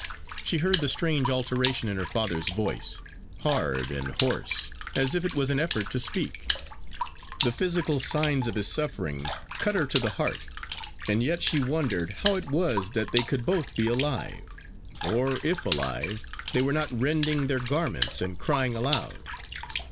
She heard the strange alteration in her father's voice, hard and hoarse, as if it was an effort to speak. The physical signs of his suffering cut her to the heart; and yet she wondered how it was that they could both be alive, or, if alive, they were not rending their garments and crying aloud.